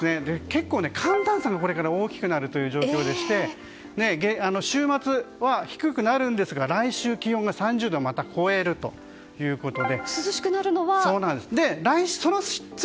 結構、寒暖差もこれから大きくなるという状況でして週末は低くなりますが来週は気温が３０度をまた超えるということで。